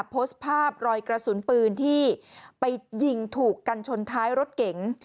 โพสต์ภาพรอยกระสุนปืนที่ไปยิงถูกกันชนท้ายรถเก๋ง